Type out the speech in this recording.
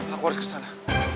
aku harus kesana